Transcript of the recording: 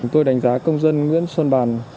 tôi đánh giá công dân nguyễn xuân bàn